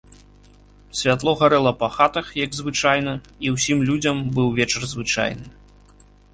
Святло гарэла па хатах, як звычайна, і ўсім людзям быў вечар звычайны.